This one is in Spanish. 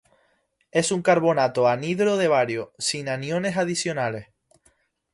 Es un carbonato anhidro de bario, sin aniones adicionales.